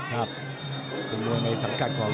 เป็นมวยในสัมกัดของ